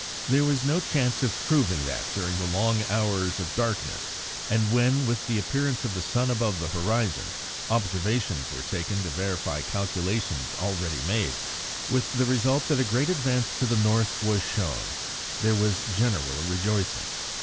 There was no chance of proving that during the long hours of darkness, and when, with the appearance of the sun above the horizon, observations were taken to verify calculations already made, with the result that a great advance to the North was shown, there was general rejoicing.